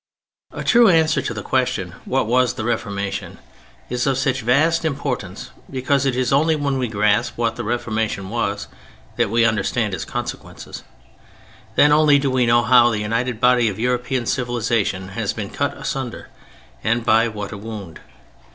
A true answer to the question: "What was the Reformation?" is of such vast importance, because it is only when we grasp what the Reformation was that we understand its consequences. Then only do we know how the united body of European civilization has been cut asunder and by what a wound.